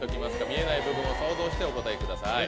見えない部分を想像してお答えください。